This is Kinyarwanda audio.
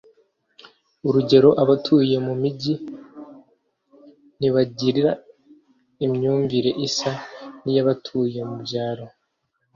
urugero abatuye mu mijyi ntibagira imyumvire isa n'iy'abatuye mu byaro